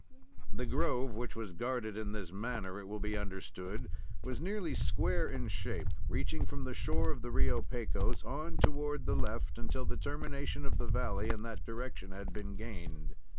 The grove which was guarded in this manner, it will be understood, was nearly square in shape, reaching from the shore of the Rio Pecos on toward the left until the termination of the valley in that direction had been gained.